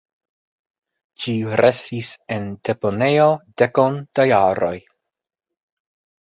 Ĝi restis en deponejo dekon da jaroj.